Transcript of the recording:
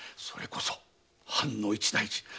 それこそ藩の一大事！